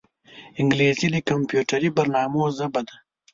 انګلیسي د کمپیوټري برنامو ژبه ده